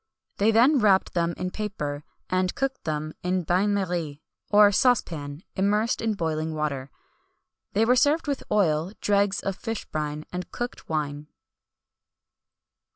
They then wrapped them in paper,[M] and cooked them in a bain marie, or saucepan, immersed in boiling water. They were served with oil, dregs of fish brine, and cooked wine.